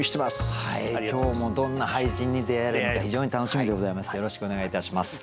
今日もどんな俳人に出会えるのか非常に楽しみでございます。